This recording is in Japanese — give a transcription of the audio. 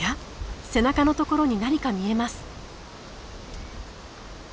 背中のところに何か見えます。